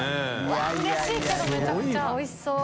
うれしいけどめちゃくちゃ垢瓦ぁおいしそう！